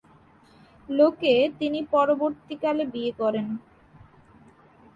লোকে তিনি পরবর্তীকালে বিয়ে করেন।